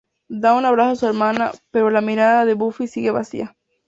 Dawn abraza a su hermana, pero la mirada de Buffy sigue vacía.